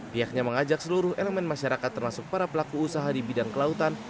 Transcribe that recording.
pihaknya mengajak seluruh elemen masyarakat termasuk para pelaku usaha di bidang kelautan